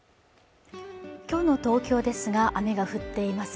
きょうの東京ですが雨が降っています